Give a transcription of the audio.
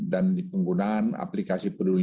dan dipenggunakan aplikasi peduli lindung